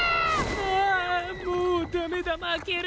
ああもう駄目だ負ける。